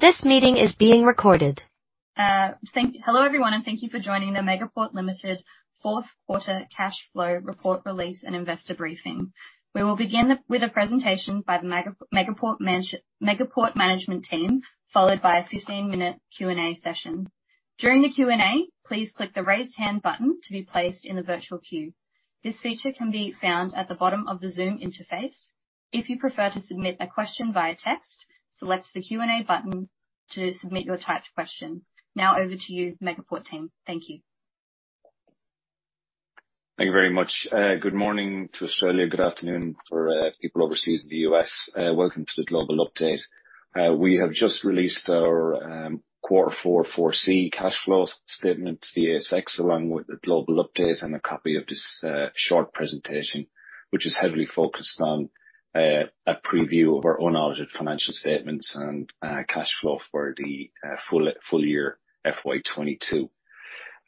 This meeting is being recorded. Thank you. Hello everyone, and thank you for joining the Megaport Limited fourth quarter cash flow report release and investor briefing. We will begin with the presentation by the Megaport management team, followed by a fifteen-minute Q&A session. During the Q&A, please click the Raise Hand button to be placed in the virtual queue. This feature can be found at the bottom of the Zoom interface. If you prefer to submit a question via text, select the Q&A button to submit your typed question. Now over to you, Megaport team. Thank you. Thank you very much. Good morning to Australia. Good afternoon for people overseas in the US. Welcome to the global update. We have just released our quarter four 4C cash flow statement to the ASX, along with the global update and a copy of this short presentation, which is heavily focused on a preview of our own audited financial statements and cash flow for the full year FY22.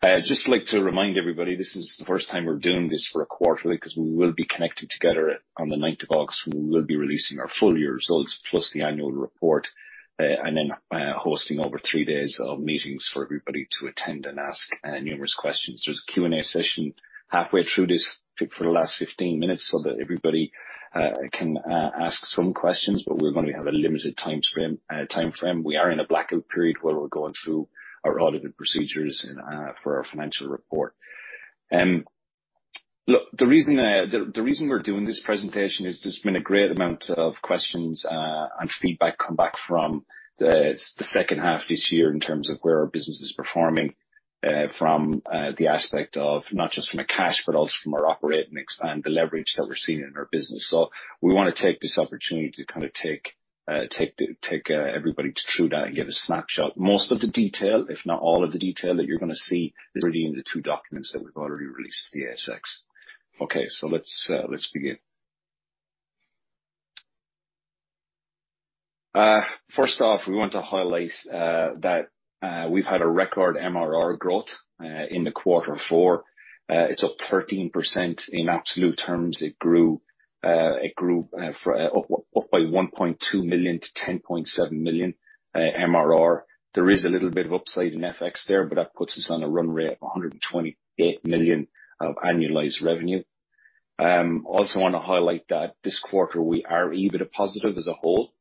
I'd just like to remind everybody, this is the first time we're doing this for a quarterly, 'cause we will be connecting together on the ninth of August when we will be releasing our full year results plus the annual report, and then hosting over three days of meetings for everybody to attend and ask numerous questions. There's a Q&A session halfway through this for the last 15 minutes so that everybody can ask some questions, but we're gonna have a limited timeframe. We are in a blackout period where we're going through our audited procedures and for our financial report. Look, the reason we're doing this presentation is there's been a great amount of questions and feedback come back from the second half this year in terms of where our business is performing from the aspect of not just from a cash, but also from our operating expense, the leverage that we're seeing in our business. We wanna take this opportunity to kind of take everybody through that and give a snapshot. Most of the detail, if not all of the detail that you're gonna see is really in the two documents that we've already released to the ASX. Okay. Let's begin. First off, we want to highlight that we've had a record MRR growth in quarter four. It's up 13% in absolute terms. It grew by 1.2 million to 10.7 million MRR. There is a little bit of upside in FX there, but that puts us on a run rate of 128 million of annualized revenue. Also wanna highlight that this quarter we are EBITDA positive as a whole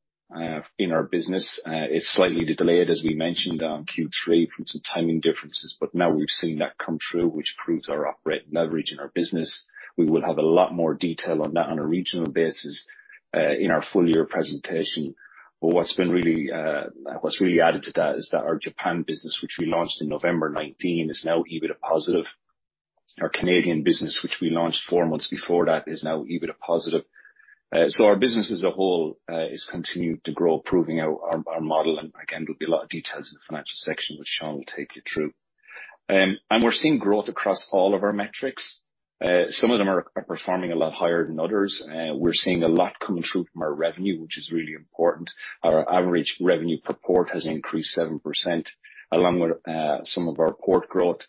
in our business. It's slightly delayed, as we mentioned on Q3, from some timing differences. Now we've seen that come through, which proves our operating leverage in our business. We will have a lot more detail on that on a regional basis in our full year presentation. What's really added to that is that our Japan business, which we launched in November 2019, is now EBITDA positive. Our Canadian business, which we launched four months before that, is now EBITDA positive. Our business as a whole is continued to grow, proving our model, and again, there'll be a lot of details in the financial section, which Sean will take you through. We're seeing growth across all of our metrics. Some of them are performing a lot higher than others. We're seeing a lot coming through from our revenue, which is really important. Our average revenue per port has increased 7%, along with some of our port growth,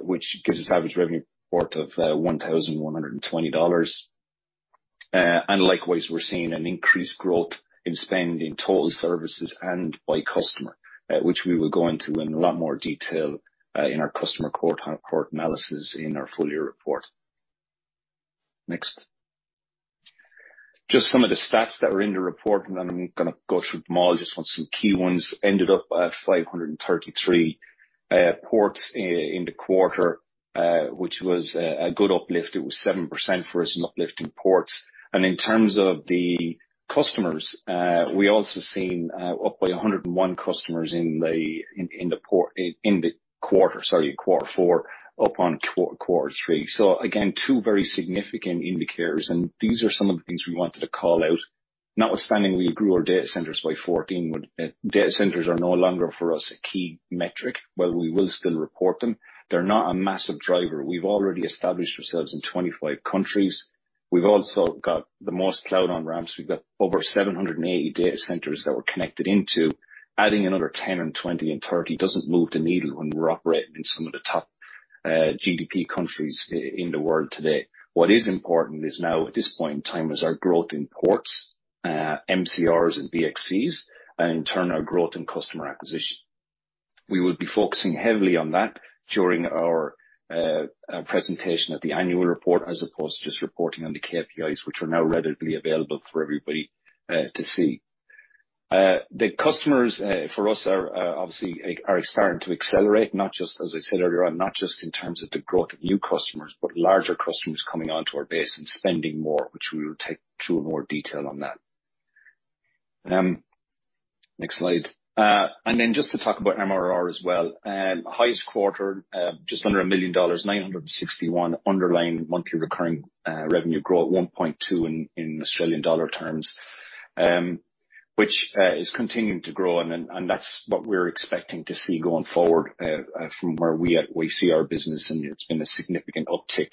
which gives us average revenue per port of $1,120. Likewise, we're seeing an increased growth in spend in total services and by customer, which we will go into in a lot more detail in our customer port analysis in our full year report. Next. Just some of the stats that were in the report, and then I'm gonna go through them all. Just want some key ones. Ended up at 533 ports in the quarter, which was a good uplift. It was 7% for us in uplift in ports. In terms of the customers, we also seen up by 101 customers in the port in the quarter, sorry, quarter four up on quarter three. Again, two very significant indicators, and these are some of the things we wanted to call out. Notwithstanding we grew our data centers by 14 when data centers are no longer for us a key metric, but we will still report them. They're not a massive driver. We've already established ourselves in 25 countries. We've also got the most cloud on-ramps. We've got over 780 data centers that we're connected into. Adding another 10 and 20 and 30 doesn't move the needle when we're operating in some of the top GDP countries in the world today. What is important is now at this point in time is our growth in ports, MCRs and BDCs, and in turn our growth in customer acquisition. We will be focusing heavily on that during our presentation at the annual report as opposed to just reporting on the KPIs, which are now readily available for everybody to see. The customers for us are obviously starting to accelerate, not just, as I said earlier on, not just in terms of the growth of new customers, but larger customers coming onto our base and spending more, which we'll take to more detail on that. Next slide. Just to talk about MRR as well. Highest quarter, just under 1 million dollars, 961 underlying monthly recurring revenue growth, 1.2% in Australian dollar terms, which is continuing to grow and that's what we're expecting to see going forward, from where we see our business and it's been a significant uptick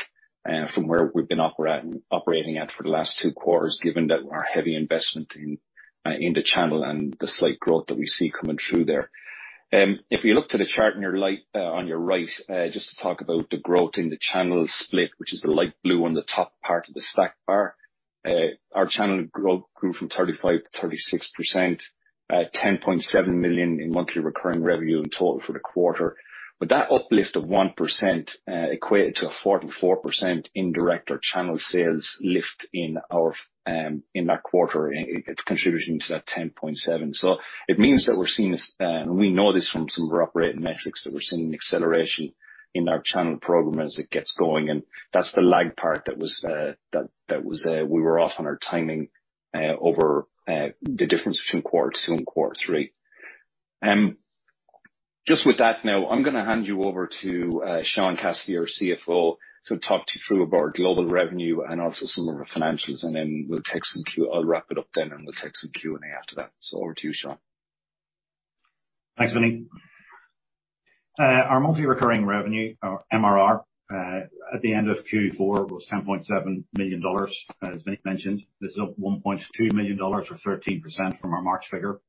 from where we've been operating at for the last two quarters, given that our heavy investment in the channel and the slight growth that we see coming through there. If you look to the chart on your left, on your right, just to talk about the growth in the channel split, which is the light blue on the top part of the stacked bar. Our channel grew from 35% to 36% at 10.7 million in monthly recurring revenue in total for the quarter. That uplift of 1% equated to a 44% indirect or channel sales lift in our in that quarter. It's contributing to that 10.7. It means that we're seeing this, and we know this from some of our operating metrics, that we're seeing an acceleration in our channel program as it gets going, and that's the lag part that was we were off on our timing over the difference between quarter two and quarter three. Just with that now, I'm gonna hand you over to Sean Cassidy, our CFO, to talk to you through about global revenue and also some of our financials, and then we'll take some Q... I'll wrap it up then, and we'll take some Q&A after that. Over to you, Sean. Thanks, Vinny. Our monthly recurring revenue, our MRR, at the end of Q4 was $10.7 million, as Vinny mentioned. This is up $1.2 million or 13% from our March figure.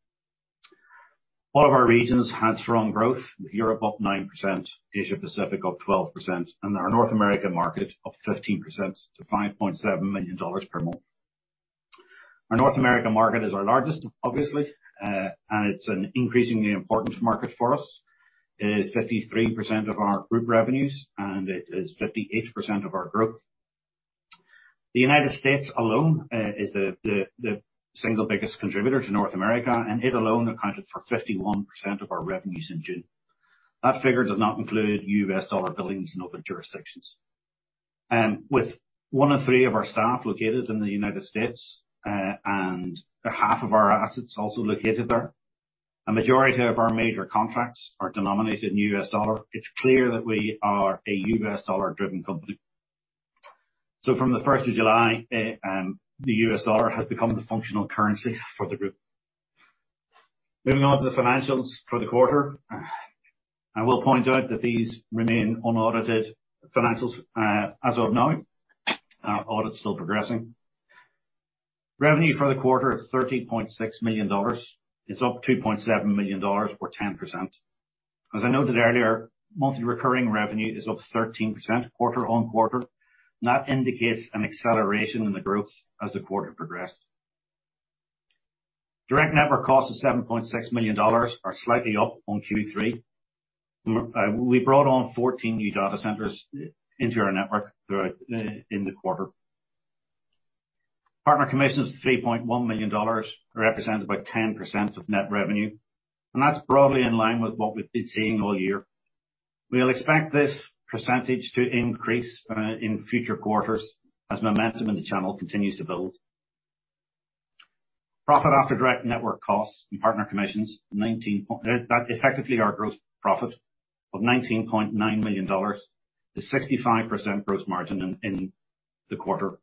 All of our regions had strong growth, with Europe up 9%, Asia Pacific up 12%, and our North American market up 15% to $5.7 million per month. Our North American market is our largest, obviously, and it's an increasingly important market for us. It is 53% of our group revenues, and it is 58% of our growth. The United States alone is the single biggest contributor to North America, and it alone accounted for 51% of our revenues in June. That figure does not include US dollar billings in other jurisdictions. With one in three of our staff located in the United States, and half of our assets also located there, a majority of our major contracts are denominated in U.S. dollar, it's clear that we are a U.S. dollar-driven company. From the first of July, the U.S. dollar has become the functional currency for the group. Moving on to the financials for the quarter, I will point out that these remain unaudited financials, as of now. Our audit's still progressing. Revenue for the quarter is $30.6 million. It's up $2.7 million or 10%. As I noted earlier, monthly recurring revenue is up 13% quarter-on-quarter. That indicates an acceleration in the growth as the quarter progressed. Direct network cost of $7.6 million are slightly up on Q3. We brought on 14 new data centers into our network throughout the quarter. Partner commissions of 3.1 million dollars represented 10% of net revenue, and that's broadly in line with what we've been seeing all year. We expect this percentage to increase in future quarters as momentum in the channel continues to build. Profit after direct network costs and partner commissions, 19.9 million. That effectively our gross profit of 19.9 million dollars is 65% gross margin in the quarter.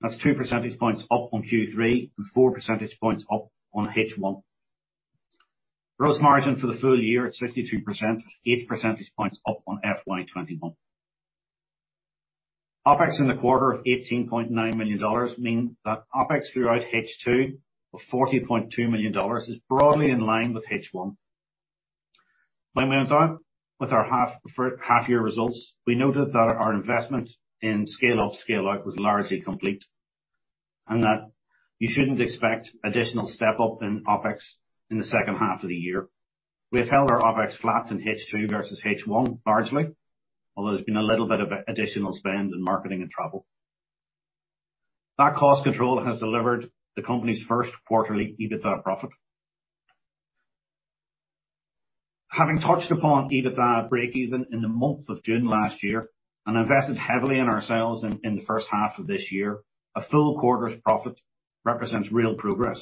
That's 2 percentage points up on Q3 and 4 percentage points up on H1. Gross margin for the full year at 62% is 8 percentage points up on FY 2021. OPEX in the quarter of $18.9 million means that OPEX throughout H2 of $40.2 million is broadly in line with H1. When we went out with our half-year results, we noted that our investment in scale up, scale out was largely complete, and that you shouldn't expect additional step-up in OPEX in the second half of the year. We have held our OPEX flat in H2 versus H1, largely, although there's been a little bit of additional spend in marketing and travel. That cost control has delivered the company's first quarterly EBITDA profit. Having touched upon EBITDA breakeven in the month of June last year and invested heavily in our sales in the first half of this year, a full quarter's profit represents real progress.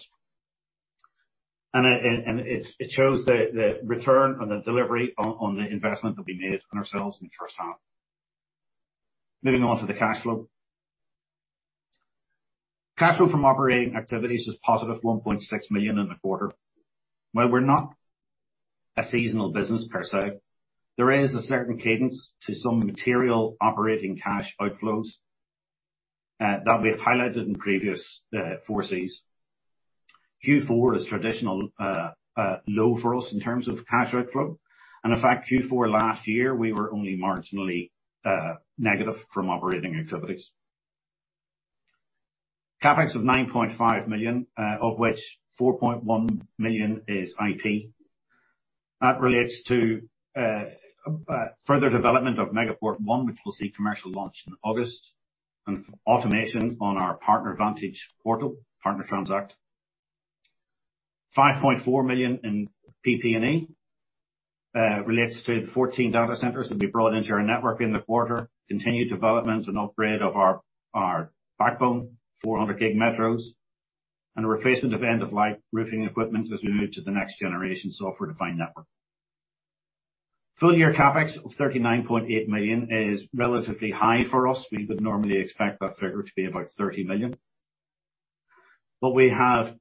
It shows the return on the delivery on the investment that we made on our sales in the first half. Moving on to the cash flow. Cash flow from operating activities was positive 1.6 million in the quarter. While we're not a seasonal business per se, there is a certain cadence to some material operating cash outflows that we have highlighted in previous 4Cs. Q4 is traditional low for us in terms of cash outflow. In fact, Q4 last year, we were only marginally negative from operating activities. CapEx of 9.5 million, of which 4.1 million is IT. That relates to further development of Megaport ONE, which will see commercial launch in August, and automation on our PartnerVantage portal, VantageTransact. $5.4 million in PP&E relates to the 14 data centers that we brought into our network in the quarter, continued development and upgrade of our backbone, 400 gig metros, and replacement of end-of-life routing equipment as we move to the next generation software-defined network. Full-year CapEx of $39.8 million is relatively high for us. We would normally expect that figure to be about $30 million. What we have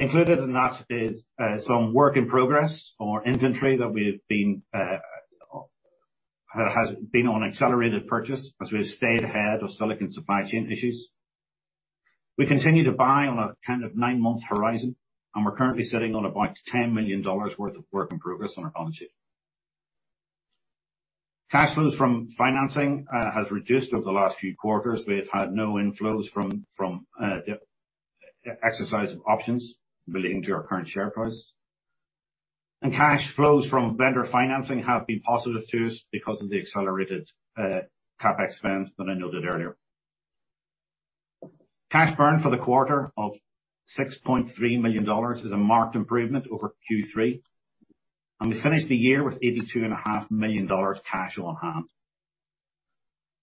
included in that is some work in progress or inventory that has been on accelerated purchase as we've stayed ahead of silicon supply chain issues. We continue to buy on a kind of 9-month horizon, and we're currently sitting on about $10 million worth of work in progress on our balance sheet. Cash flows from financing has reduced over the last few quarters. We've had no inflows from the exercise of options relating to our current share price. Cash flows from vendor financing have been positive to us because of the accelerated CapEx spend that I noted earlier. Cash burn for the quarter of $6.3 million is a marked improvement over Q3, and we finished the year with $82.5 million cash on hand.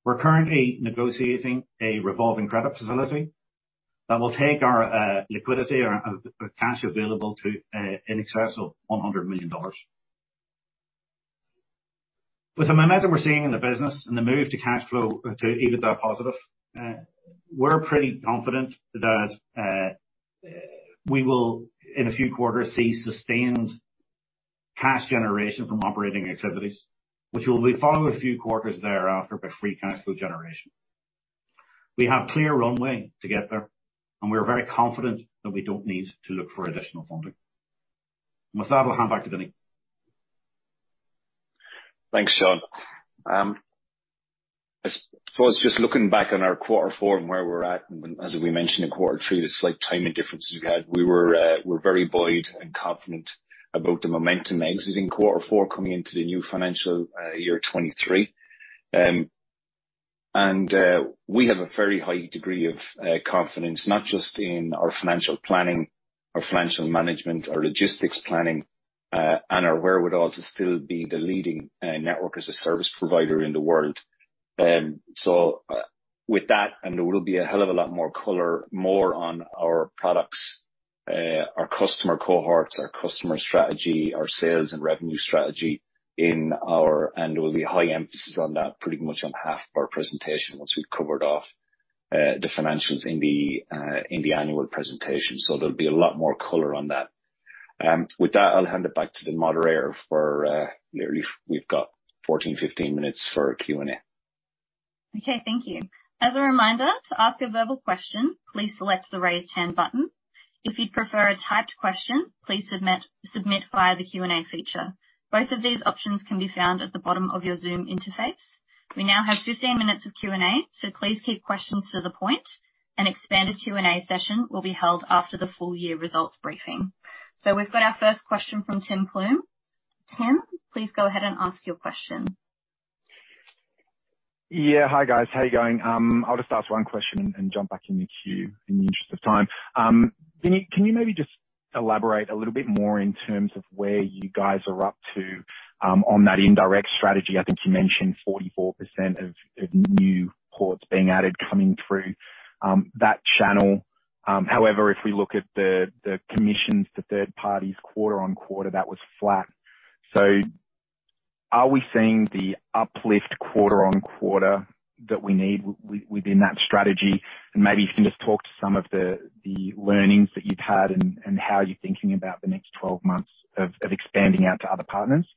We're currently negotiating a revolving credit facility that will take our liquidity or cash available to in excess of $100 million. With the momentum we're seeing in the business and the move to cash flow to EBITDA positive, we're pretty confident that we will, in a few quarters, see sustained cash generation from operating activities, which will be followed a few quarters thereafter by free cash flow generation. We have clear runway to get there, and we are very confident that we don't need to look for additional funding. With that, I'll hand back to Vinny. Thanks, Sean. I was just looking back on our quarter four and where we're at, and as we mentioned in quarter three, the slight timing differences we've had, we're very buoyed and confident about the momentum exiting quarter four coming into the new financial year 2023. We have a very high degree of confidence, not just in our financial planning, our financial management, our logistics planning, and our wherewithal to still be the leading network as a service provider in the world. With that, there will be a hell of a lot more color, more on our products, our customer cohorts, our customer strategy, our sales and revenue strategy in our annual. There will be a high emphasis on that, pretty much on half of our presentation once we've covered off the financials in the annual presentation. There'll be a lot more color on that. With that, I'll hand it back to the moderator for yeah, if we've got 14, 15 minutes for Q&Vi Okay. Thank you. As a reminder, to ask a verbal question, please select the Raise Hand button. If you'd prefer a typed question, please submit via the Q&A feature. Both of these options can be found at the bottom of your Zoom interface. We now have 15 minutes of Q&A, so please keep questions to the point. An expanded Q&A session will be held after the full year results briefing. We've got our first question from Tim Clune. Tim, please go ahead and ask your question. Yeah. Hi, guys. How you going? I'll just ask one question and jump back in the queue in the interest of time. Can you maybe just elaborate a little bit more in terms of where you guys are up to on that indirect strategy. I think you mentioned 44% of new ports being added coming through that channel. However, if we look at the commissions to third parties quarter on quarter, that was flat. Are we seeing the uplift quarter on quarter that we need within that strategy? Maybe you can just talk to some of the learnings that you've had and how you're thinking about the next 12 months of expanding out to other partners.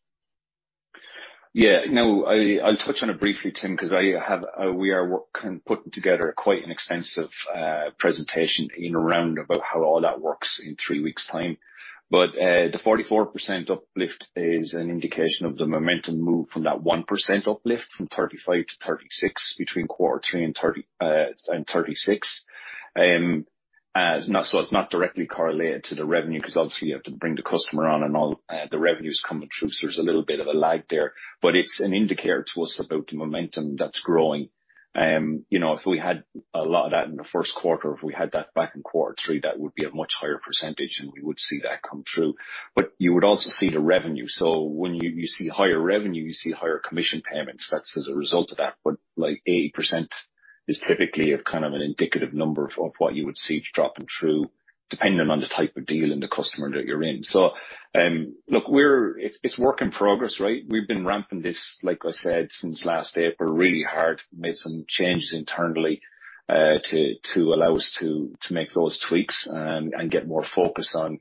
Yeah. No, I'll touch on it briefly, Tim, 'cause we are putting together quite an extensive presentation in around about how all that works in 3 weeks time. The 44% uplift is an indication of the momentum move from that 1% uplift from 35 to 36 between quarter three and 36. No, so it's not directly correlated to the revenue 'cause obviously you have to bring the customer on and all, the revenues coming through, so there's a little bit of a lag there. It's an indicator to us about the momentum that's growing. You know, if we had a lot of that in the first quarter, if we had that back in quarter three, that would be a much higher percentage, and we would see that come through. You would also see the revenue. When you see higher revenue, you see higher commission payments. That's as a result of that. Like 80% is typically a kind of an indicative number of what you would see dropping through depending on the type of deal and the customer that you're in. Look, it's work in progress, right? We've been ramping this, like I said, since last April, really hard. Made some changes internally to allow us to make those tweaks and get more focus on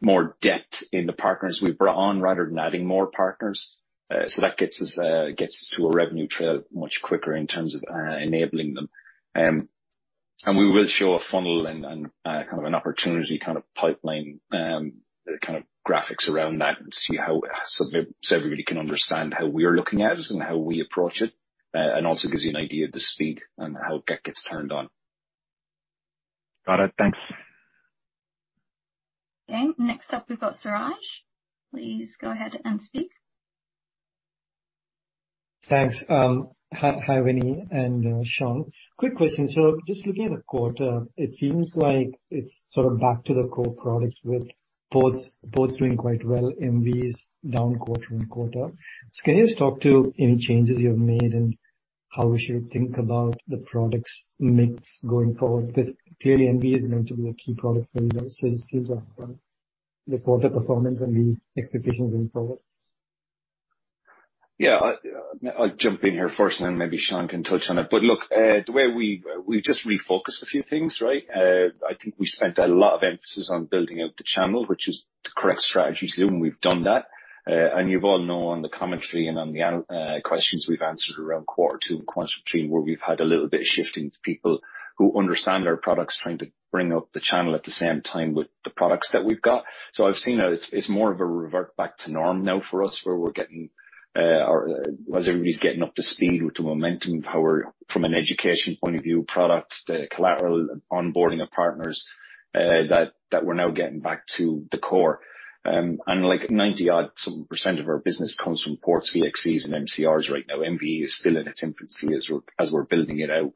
more depth in the partners we brought on rather than adding more partners. That gets us to a revenue trail much quicker in terms of enabling them. We will show a funnel and kind of an opportunity kind of pipeline, kind of graphics around that and see how so everybody can understand how we're looking at it and how we approach it, and also gives you an idea of the speed and how it gets turned on. Got it. Thanks. Okay. Next up we've got Siraj. Please go ahead and speak. Thanks. Hi, Rene and Sean. Quick question. Just looking at the quarter, it seems like it's sort of back to the core products with ports doing quite well, MVEs down quarter-over-quarter. Can you just talk to any changes you've made and how we should think about the products mix going forward? Because clearly MVE is meant to be a key product for you guys. Just gives us the quarter performance and the expectations going forward. Yeah. I'll jump in here first and then maybe Sean can touch on it. Look, the way we just refocused a few things, right? I think we spent a lot of emphasis on building out the channel, which is the correct strategy to do, and we've done that. You all know on the commentary and on the questions we've answered around quarter two and quarter three, where we've had a little bit of shifting to people who understand our products, trying to bring up the channel at the same time with the products that we've got. I've seen it. It's more of a revert back to norm now for us, where we're getting or as everybody's getting up to speed with the momentum of how we're, from an education point of view, product, the collateral, onboarding of partners, that we're now getting back to the core. Like 90 or so% of our business comes from ports, VDCs, and MCRs right now. MVE is still in its infancy as we're building it out.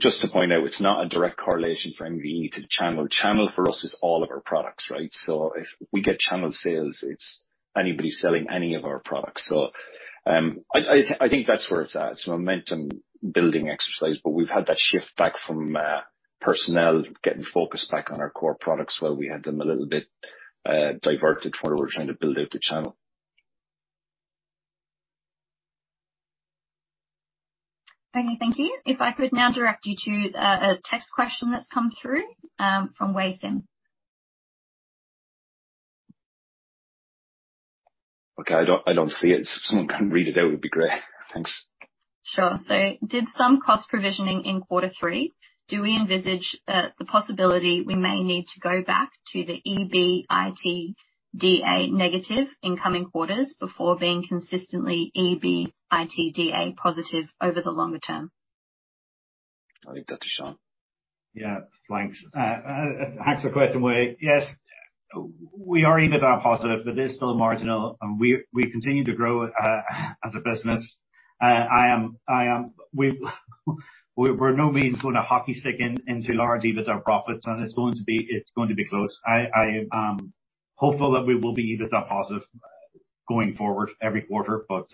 Just to point out, it's not a direct correlation for MVE to channel. Channel for us is all of our products, right? I think that's where it's at. It's a momentum building exercise, but we've had that shift back from, personnel getting focused back on our core products, where we had them a little bit, diverted while we were trying to build out the channel. Okay, thank you. If I could now direct you to the text question that's come through from Wei Xin. Okay. I don't see it. If someone can read it out, would be great. Thanks. Sure. Did some cost provisioning in quarter three. Do we envisage the possibility we may need to go back to the EBITDA negative in coming quarters before being consistently EBITDA positive over the longer term? I'll leave that to Sean. Yeah, thanks for the question, Wei. Yes, we are EBITDA positive, but it is still marginal and we continue to grow as a business. We're by no means going to hockey stick into large EBITDA profits, and it's going to be close. I am hopeful that we will be EBITDA positive going forward every quarter, but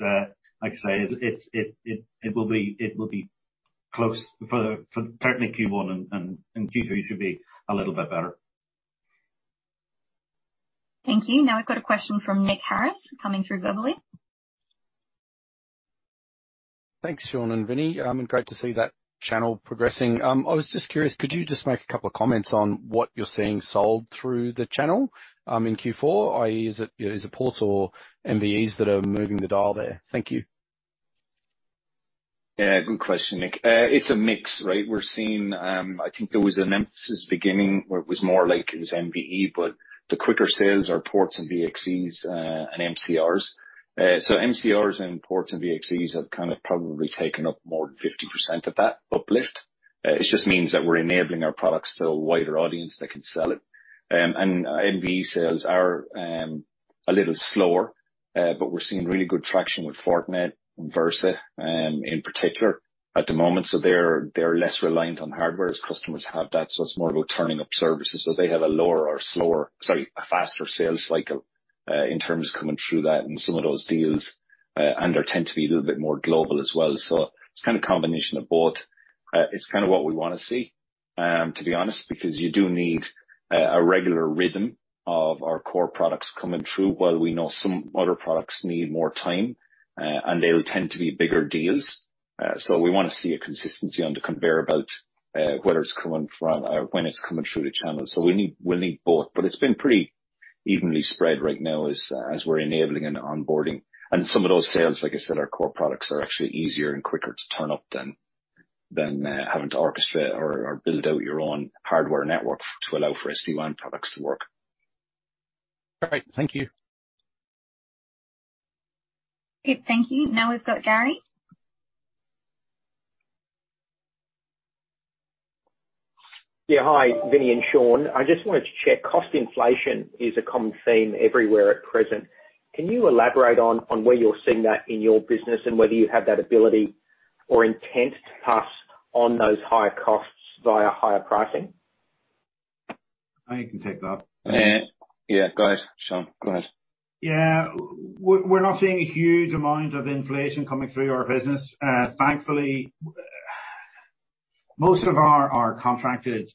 like I say, it will be close for certainly Q1, and Q2 should be a little bit better. Thank you. Now I've got a question from Nick Harris coming through verbally. Thanks, Sean and Vinny. Great to see that channel progressing. I was just curious, could you just make a couple of comments on what you're seeing sold through the channel in Q4? i.e., is it, you know, is it ports or MVEs that are moving the dial there? Thank you. Yeah, good question, Nick. It's a mix, right? We're seeing, I think there was an emphasis beginning where it was more like it was MVE, but the quicker sales are ports and VXCs, and MCRs. So MCRs and ports and VXCs have kind of probably taken up more than 50% of that uplift. It just means that we're enabling our products to a wider audience that can sell it. MVE sales are a little slower, but we're seeing really good traction with Fortinet and Versa, in particular at the moment. So they're less reliant on hardware as customers have that, so it's more about turning up services. They have a faster sales cycle in terms of coming through that and some of those deals, and they tend to be a little bit more global as well. It's kind of a combination of both. It's kind of what we wanna see, to be honest, because you do need a regular rhythm of our core products coming through, while we know some other products need more time, and they'll tend to be bigger deals. We wanna see a consistency on the conveyor about whether it's coming from when it's coming through the channel. We need both. It's been pretty evenly spread right now as we're enabling and onboarding. Some of those sales, like I said, our core products are actually easier and quicker to turn up than having to orchestrate or build out your own hardware network to allow for SD-WAN products to work. Great. Thank you. Okay, thank you. Now we've got Gary. Yeah. Hi, Vinny and Sean. I just wanted to check. Cost inflation is a common theme everywhere at present. Can you elaborate on where you're seeing that in your business and whether you have that ability or intent to pass on those higher costs via higher pricing? I can take that. Yeah. Yeah, go ahead, Sean. Go ahead. Yeah. We're not seeing a huge amount of inflation coming through our business. Thankfully, most of our contracted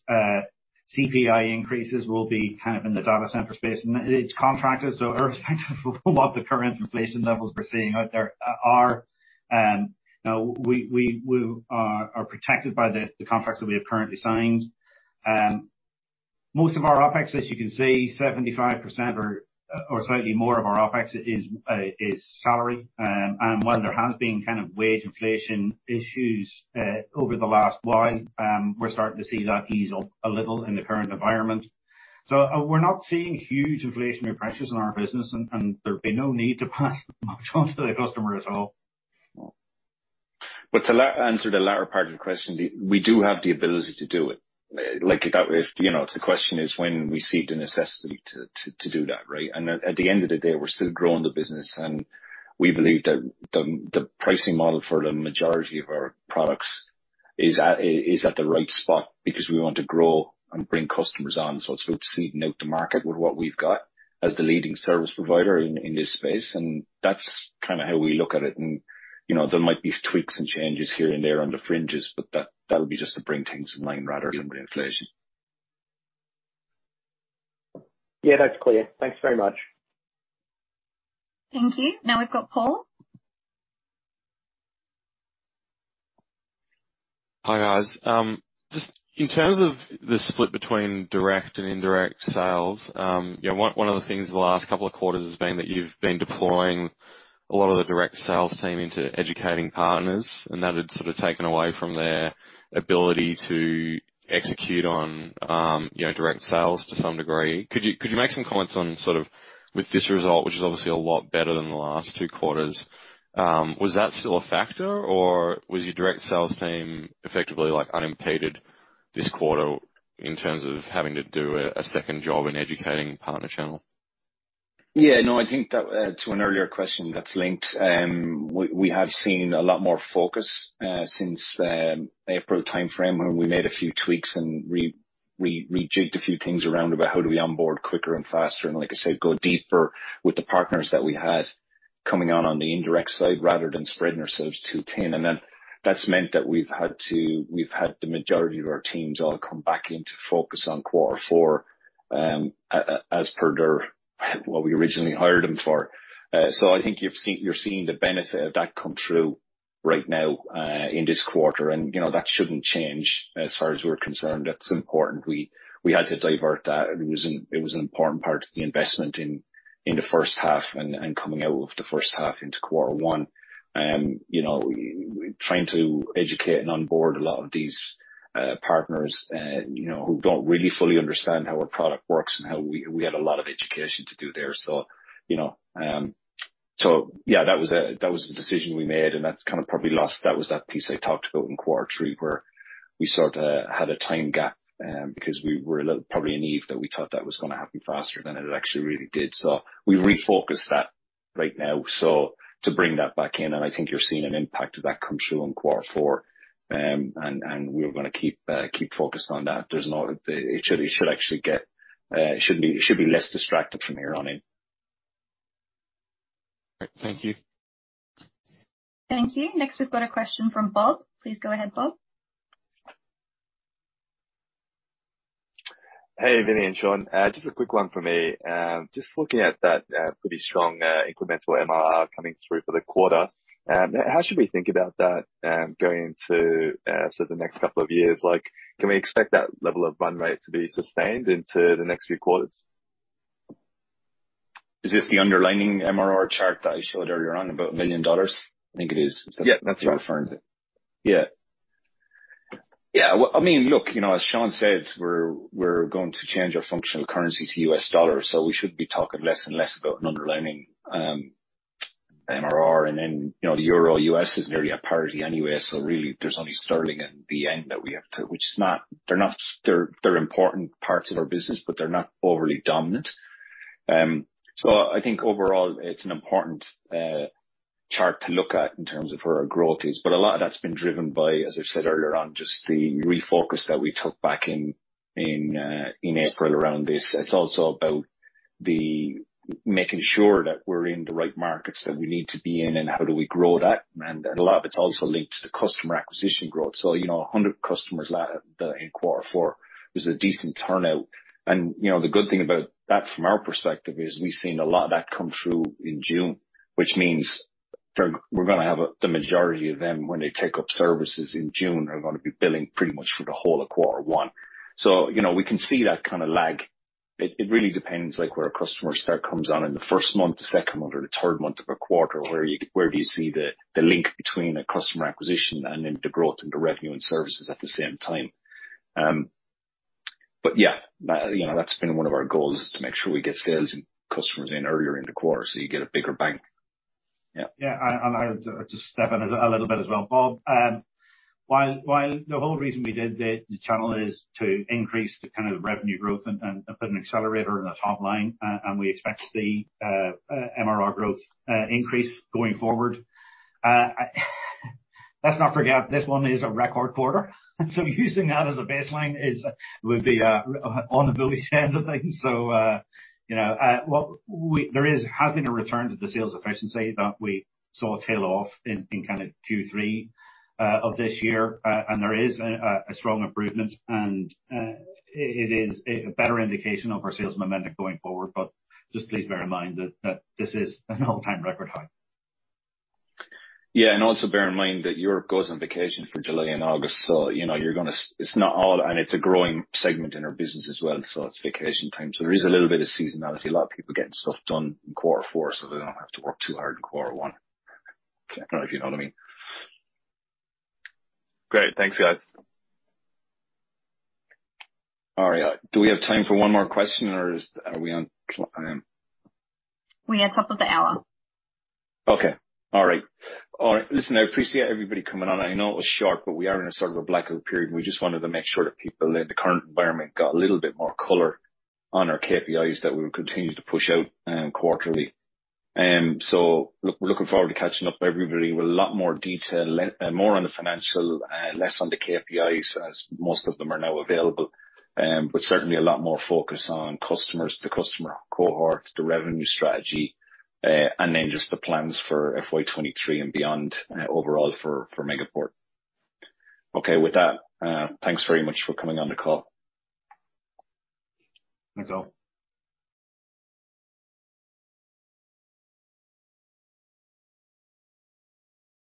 CPI increases will be kind of in the data center space. It's contracted, so irrespective of what the current inflation levels we're seeing out there are, you know, we are protected by the contracts that we have currently signed. Most of our OPEX, as you can see, 75% or slightly more of our OPEX is salary. While there has been kind of wage inflation issues over the last while, we're starting to see that ease up a little in the current environment. We're not seeing huge inflationary pressures in our business and there'd be no need to pass them up onto the customer at all. To answer the latter part of the question, we do have the ability to do it. Like, if that, you know, the question is when we see the necessity to do that, right? At the end of the day, we're still growing the business, and we believe that the pricing model for the majority of our products is at the right spot because we want to grow and bring customers on. It's about seeding out the market with what we've got as the leading service provider in this space, and that's kinda how we look at it. You know, there might be tweaks and changes here and there on the fringes, but that would be just to bring things in line rather than with inflation. Yeah, that's clear. Thanks very much. Thank you. Now we've got Paul. Hi, guys. Just in terms of the split between direct and indirect sales, you know, one of the things the last couple of quarters has been that you've been deploying a lot of the direct sales team into educating partners, and that has sort of taken away from their ability to execute on, you know, direct sales to some degree. Could you make some comments on sort of with this result, which is obviously a lot better than the last two quarters, was that still a factor, or was your direct sales team effectively like unimpeded this quarter in terms of having to do a second job in educating partner channel? Yeah, no, I think that to an earlier question that's linked, we have seen a lot more focus since April timeframe when we made a few tweaks and rejigged a few things around about how do we onboard quicker and faster, and like I said, go deeper with the partners that we had coming on on the indirect side rather than spreading ourselves too thin. Then that's meant that we've had the majority of our teams all come back in to focus on quarter four, as per what we originally hired them for. I think you're seeing the benefit of that come through right now in this quarter and, you know, that shouldn't change as far as we're concerned. It's important. We had to divert that. It was an important part of the investment in the first half and coming out of the first half into quarter one. You know, trying to educate and onboard a lot of these partners, you know, who don't really fully understand how our product works and how we had a lot of education to do there. You know, yeah, that was a decision we made, and that's kind of probably last. That was that piece I talked about in quarter three, where we sort of had a time gap, because we were a little probably naive that we thought that was gonna happen faster than it actually really did. We refocused that right now, so to bring that back in, and I think you're seeing an impact of that come through on quarter four. And we're gonna keep focused on that. It should be less distracted from here on in. Thank you. Thank you. Next, we've got a question from Bob. Please go ahead, Bob. Hey, Vinnie and Sean. Just a quick one for me. Just looking at that, pretty strong, incremental MRR coming through for the quarter, how should we think about that, going into, sort of the next couple of years? Like, can we expect that level of run rate to be sustained into the next few quarters? Is this the underlying MRR chart that I showed earlier on about 1 million dollars? I think it is. Yeah, that's what I'm referring to. Yeah. Well, I mean, look, you know, as Sean said, we're going to change our functional currency to US dollars, so we should be talking less and less about an underlying MRR. You know, the Euro-US isn't really a priority anyway, so really there's only sterling at the end that we have to. They're important parts of our business, but they're not overly dominant. I think overall it's an important chart to look at in terms of where our growth is. A lot of that's been driven by, as I said earlier on, just the refocus that we took back in April around this. It's also about the making sure that we're in the right markets that we need to be in, and how do we grow that. A lot of it's also linked to the customer acquisition growth. So, you know, 100 customers in quarter four is a decent turnout. You know, the good thing about that from our perspective is we've seen a lot of that come through in June, which means we're gonna have the majority of them when they take up services in June are gonna be billing pretty much for the whole of quarter one. You know, we can see that kind of lag. It really depends, like, where a customer comes on in the first month, the second month or the third month of a quarter. Where do you see the link between a customer acquisition and then the growth into revenue and services at the same time? Yeah, that, you know, that's been one of our goals is to make sure we get sales and customers in earlier in the quarter, so you get a bigger bank. Yeah. Yeah. I have to step in a little bit as well, Bob. While the whole reason we did the channel is to increase the kind of revenue growth and put an accelerator in the top line, and we expect to see MRR growth increase going forward, let's not forget this one is a record quarter. Using that as a baseline would be unfavorable end of things. You know, there has been a return to the sales efficiency that we saw tail off in kind of Q3 of this year. There is a strong improvement and it is a better indication of our sales momentum going forward. Just please bear in mind that this is an all-time record high. Yeah. Also bear in mind that Europe goes on vacation for July and August, so you know you're gonna. It's not all, and it's a growing segment in our business as well, so it's vacation time. There is a little bit of seasonality. A lot of people getting stuff done in quarter four so they don't have to work too hard in quarter one. I don't know if you know what I mean. Great. Thanks, guys. All right. Do we have time for one more question? We are top of the hour. Okay. All right. Listen, I appreciate everybody coming on, and I know it was short, but we are in a sort of a blackout period, and we just wanted to make sure that people in the current environment got a little bit more color on our KPIs that we would continue to push out quarterly. Look, we're looking forward to catching up with everybody with a lot more detail, more on the financial, less on the KPIs as most of them are now available. Certainly a lot more focus on customers, the customer cohort, the revenue strategy, and then just the plans for FY 2023 and beyond, overall for Megaport. Okay. With that, thanks very much for coming on the call. Thanks all.